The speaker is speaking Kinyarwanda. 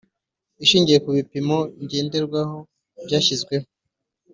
Ishingiye ku bipimo ngenderwaho byashyizweho